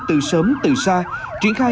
từ sớm từ xa